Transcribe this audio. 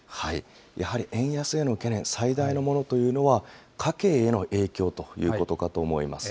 やはり円安への懸念、最大のものというのは、家計への影響ということかと思います。